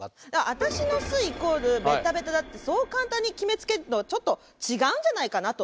私の巣イコールベタベタだってそう簡単に決めつけるのちょっと違うんじゃないかなと思います。